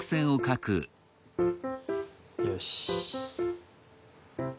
よし。